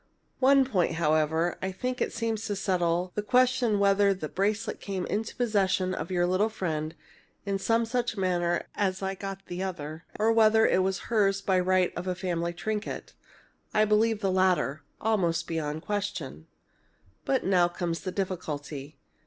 One point, however, I think it seems to settle the question whether the bracelet came into the possession of your little friend in some such manner as I got the other, or whether it was hers by right as a family trinket. I believe the latter almost beyond question. But now comes the difficulty.